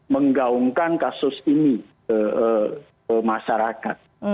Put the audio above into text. menggaungkan kasus ini ke masyarakat